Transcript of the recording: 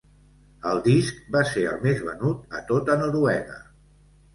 El disc va ser el més venut a tota Noruega.